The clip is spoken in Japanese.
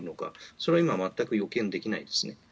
それは全く予見できないですね。